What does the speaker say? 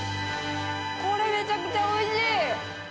これ、めちゃくちゃおいしい。